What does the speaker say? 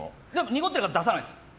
濁ってるから出さないです。